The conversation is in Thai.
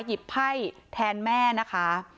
หยิบไพ่แทนแม่นะคะ